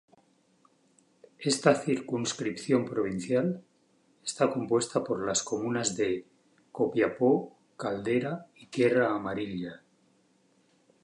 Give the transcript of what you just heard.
Esta circunscripción provincial está compuesta por las comunas de: Copiapó, Caldera y Tierra Amarilla.